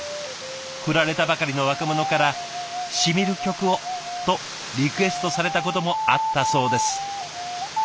フラれたばかりの若者から「しみる曲を」とリクエストされたこともあったそうです。